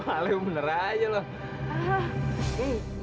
walaupun bener aja loh